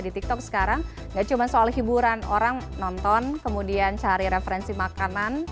di tik tok sekarang gak cuman soal hiburan orang nonton kemudian cari referensi makanan